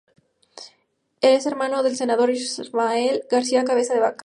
Es hermano del senador Ismael García Cabeza de Vaca.